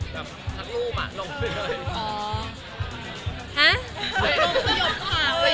แบบทักรูปอะลงไปเลย